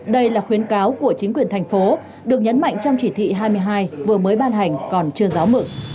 đây là khuyến cáo của chính quyền thành phố được nhấn mạnh trong chỉ thị hai mươi hai vừa mới ban hành còn chưa giáo mự